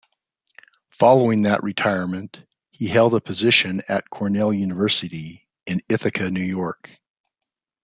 Following that retirement, he held a position at Cornell University in Ithaca, New York.